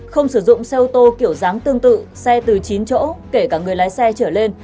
không sử dụng xe ô tô kiểu dáng tương tự xe từ chín chỗ kể cả người lái xe trở lên